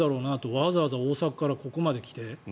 わざわざ大阪からここまで来て。